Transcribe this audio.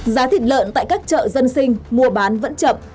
giá thịt lợn tại các chợ dân sinh mua bán vẫn chậm